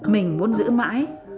mình muốn giữ mãi